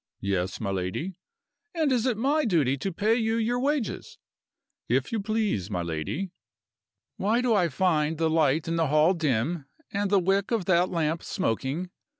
"Yes, my lady." "And is it my duty to pay you your wages?" "If you please, my lady." "Why do I find the light in the hall dim, and the wick of that lamp smoking?